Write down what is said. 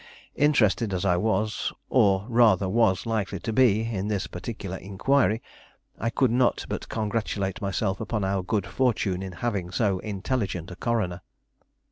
Interested as I was, or rather was likely to be, in this particular inquiry, I could not but congratulate myself upon our good fortune in having so intelligent a coroner.